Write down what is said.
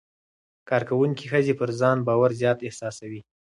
کارکوونکې ښځې پر ځان باور زیات احساسوي.